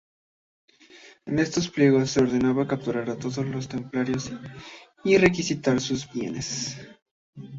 En esos pliegos se ordenaba capturar a todos los templarios y requisar sus bienes.